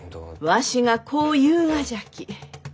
わしがこう言うがじゃき。